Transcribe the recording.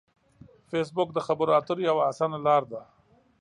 فېسبوک د خبرو اترو یوه اسانه لار ده